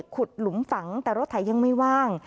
ขุดหลุมฝังแต่รถไถยังไม่ว่าง